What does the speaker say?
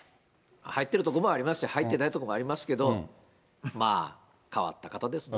入ってるところもありますし、入ってないところもありますけど、まあ、変わった方ですね。